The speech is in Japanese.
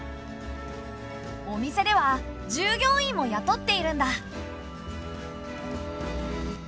お店では従業員もやとっているんだ。